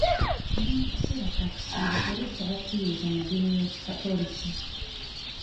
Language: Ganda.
Tuli mu kaseera ka kisiibo eri ffe abakkiririza mu ddiini y'ekikatoliki.